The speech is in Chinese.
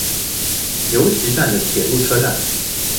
由岐站的铁路车站。